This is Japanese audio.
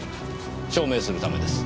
証明するためです。